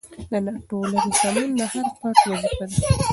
د ټولنې سمون د هر فرد وظیفه ده.